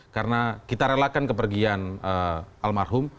karena kita relakan kepergian almarhum